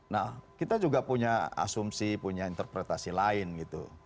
nah kita juga punya asumsi punya interpretasi lain gitu